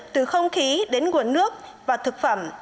những nguồn nước và thực phẩm